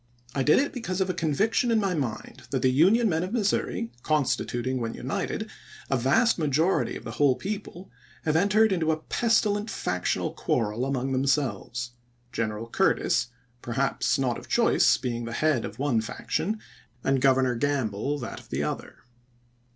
I did it because of a conviction in my mind that the Union men of Missouri, constituting, when united, a vast majority of the whole people, have entered into a pestilent factional quarrel among themselves ; Greneral Curtis, perhaps not of choice, being the head of one faction, and Governor Gamble that of the other.